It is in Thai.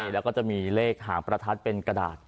แล้วก็จะมีเลขหางประทัดเป็นกระดาษ